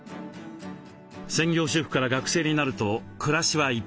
専業主婦から学生になると暮らしは一変。